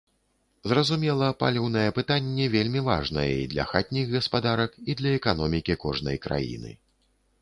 Зразумела, паліўнае пытанне вельмі важнае і для хатніх гаспадарак, і для эканомікі кожнай краіны.